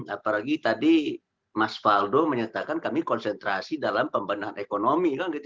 apalagi tadi mas faldo menyatakan kami konsentrasi dalam pembenahan ekonomi